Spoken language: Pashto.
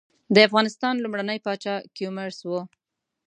د افغانستان لومړنی پاچا کيومرث وه.